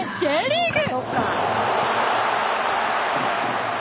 ［Ｊリーグ